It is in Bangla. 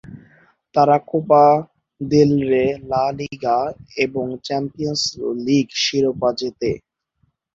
তারা Copa del Rey, La Liga এবং চ্যাম্পিয়ন্স লীগ শিরোপা জেতে।